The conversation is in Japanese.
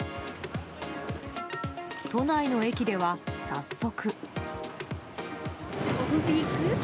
都内の駅では早速。